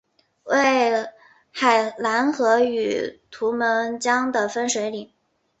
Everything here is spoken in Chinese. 为海兰河与图们江的分水岭。